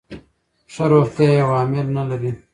ښه روغتیا یو عامل نه لري.